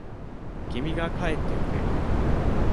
君が帰ってくれ。